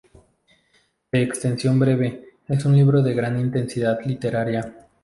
De extensión breve, es un libro de una gran intensidad literaria.